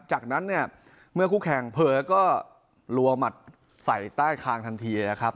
จากนั้นเนี่ยเมื่อคู่แข่งเผลอก็รัวหมัดใส่ใต้คางทันทีนะครับ